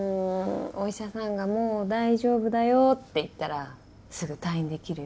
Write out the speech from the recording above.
お医者さんがもう大丈夫だよって言ったらすぐ退院できるよ。